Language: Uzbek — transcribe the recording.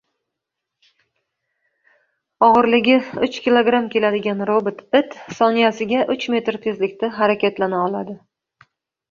Og‘irligi uch kilogramm keladigan robot-it soniyasiga uch metr tezlikda harakatlana oladi